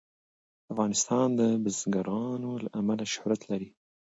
افغانستان د بزګان له امله شهرت لري.